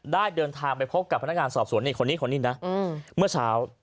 เดินทางไปพบกับพนักงานสอบสวนนี่คนนี้คนนี้นะเมื่อเช้า